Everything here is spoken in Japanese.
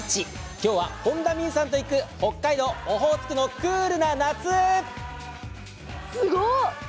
今日は本田望結さんと行く北海道、オホーツクのクールな夏。